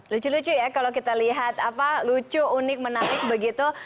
lucu lucu ya kalau kita lihat apa lucu unik menarik begitu